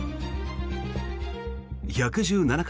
１１７階